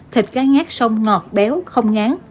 thịt cá ngát xong ngọt béo không ngán